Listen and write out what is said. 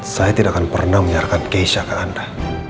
saya tidak akan pernah menyiarkan keisha ke anda